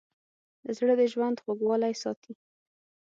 زړه د ژوند خوږوالی ساتي.